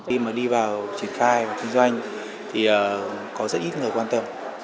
khi mà đi vào triển khai và kinh doanh thì có rất ít người quan tâm